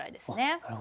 なるほど。